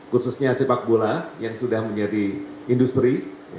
khususnya sepak bola yang sudah menjadi industri